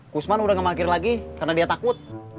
kusman udah gak mangkir lagi karena dia takut